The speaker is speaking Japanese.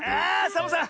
サボさん